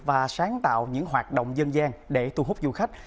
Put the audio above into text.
và sáng tạo những hoạt động dân gian để thu hút du khách